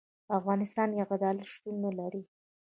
په افغانستان کي عدالت شتون نلري.